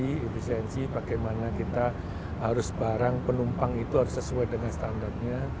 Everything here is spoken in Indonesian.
ini efisiensi bagaimana kita harus barang penumpang itu harus sesuai dengan standarnya